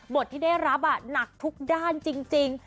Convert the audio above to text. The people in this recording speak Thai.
ที่ได้รับหนักทุกด้านจริง